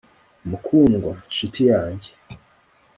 mukundwa, nshuti yanjye